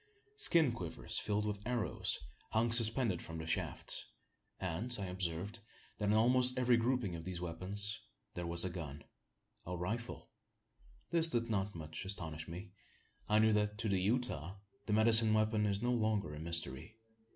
Skin quivers filled with arrows, hung suspended from the shafts; and I observed that, in almost every grouping of these weapons, there was a gun a rifle. This did not much astonish me. I knew that, to the Utah, the medicine weapon is no longer a mystery.